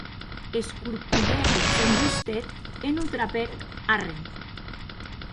Escorcolhèc eth sòn justet e non trapèc arren.